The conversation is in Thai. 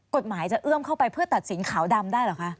กฎหมายจะเอื้อมเข้าไปเพื่อตัดสินขาวดำได้เหรอคะ